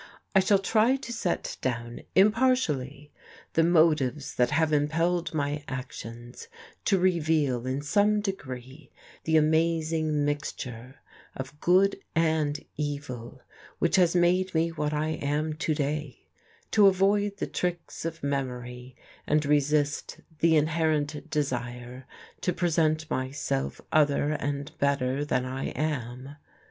I shall try to set down, impartially, the motives that have impelled my actions, to reveal in some degree the amazing mixture of good and evil which has made me what I am to day: to avoid the tricks of memory and resist the inherent desire to present myself other and better than I am.